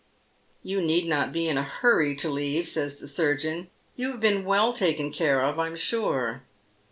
" You need not be in a hurry to leave," says the surgeon, *' you have been well taken care of, I am sure."